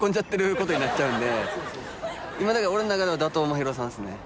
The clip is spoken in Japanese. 今だから俺の中では打倒まひるさんですね。